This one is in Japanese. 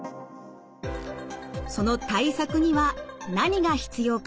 その対策には何が必要か。